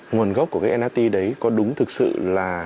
nguồn gốc của cái nart đấy có đúng thực sự là